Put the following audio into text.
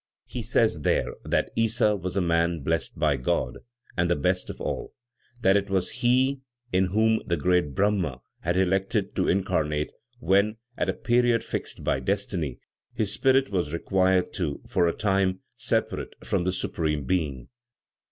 He says there that Issa was a man blessed by God and the best of all; that it was he in whom the great Brahma had elected to incarnate when, at a period fixed by destiny, his spirit was required to, for a time, separate from the Supreme Being.